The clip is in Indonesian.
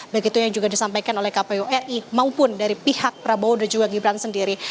baik itu yang juga disampaikan oleh kpu ri maupun dari pihak prabowo dan juga gibran sendiri